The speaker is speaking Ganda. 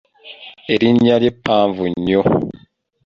Erinnya lye ppanvu nnyo.